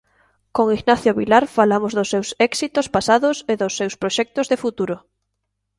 Con Ignacio Vilar falamos dos seus éxitos pasados e dos seus proxectos de futuro.